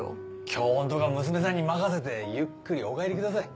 今日のとこは娘さんに任せてゆっくりお帰りください。